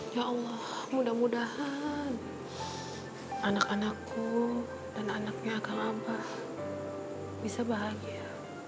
ya allah mudah mudahan anak anakku dan anaknya akan abah bisa bahagia